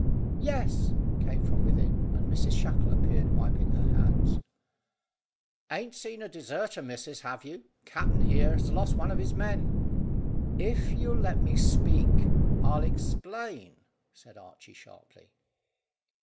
"Yes," came from within, and Mrs Shackle appeared wiping her hands. "Ain't seen a deserter, missus, have you? Capt'n here has lost one of his men." "If you'll let me speak, I'll explain," said Archy sharply.